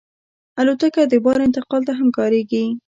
الوتکه د بار انتقال ته هم کارېږي.